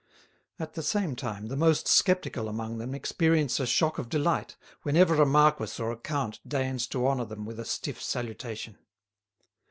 At the same time, the most sceptical among them experience a shock of delight whenever a marquis or a count deigns to honour them with a stiff salutation.